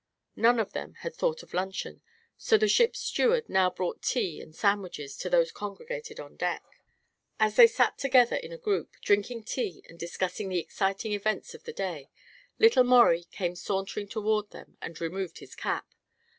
None of them had thought of luncheon, so the ship's steward now brought tea and sandwiches to those congregated on deck. As they sat together in a group, drinking tea and discussing the exciting events of the day, little Maurie came sauntering toward them and removed his cap.